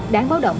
đáng báo động